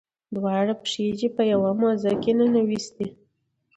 دواړه پښې دې په یوه موزه کې ننویستې.